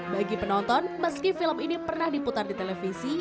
bagi penonton meski film ini pernah diputar di televisi